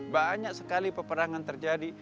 banyak sekali peperangan terjadi